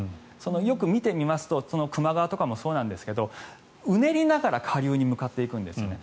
よく見てみますと球磨川とかもそうなんですがうねりながら下流に向かっていくんですよね。